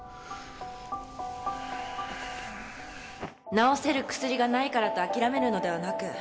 治せる薬がないからと諦めるのではなく